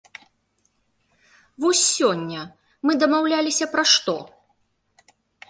Вось сёння мы дамаўляліся пра што?